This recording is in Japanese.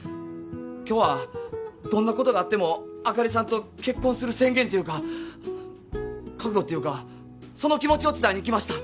今日はどんなことがあってもあかりさんと結婚する宣言っていうか覚悟っていうかその気持ちを伝えに来ました。